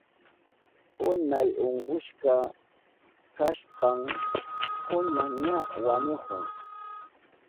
Unay unkushka kashpan kunan ña wañuhun